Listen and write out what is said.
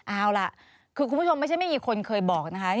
เอาล่ะคือคุณผู้ชมไม่ใช่ไม่มีคนเคยบอกนะคะ